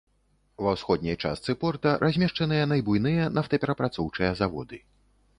Ва ўсходняй частцы порта размешчаныя найбуйныя нафтаперапрацоўчыя заводы.